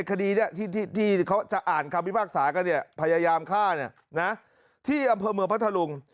คดีนี้ที่เขาจะอ่านคำพิพากษากันเนี่ยพยายามฆ่าที่อำเภอเมืองพัทธลุง